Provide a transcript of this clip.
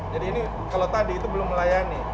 jadi ini kalau tadi itu belum melayani